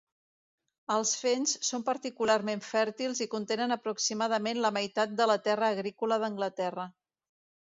Els fens són particularment fèrtils i contenen aproximadament la meitat de la terra agrícola d'Anglaterra.